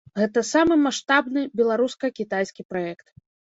Гэта самы маштабны беларуска-кітайскі праект.